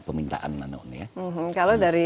permintaan anak ini ya kalau dari